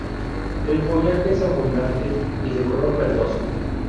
El follaje es abundante y de color verdoso.